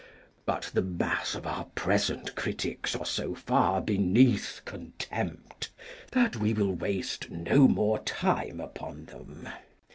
But the mass of our present critics are so far beneath contempt that we will waste no more time upon them.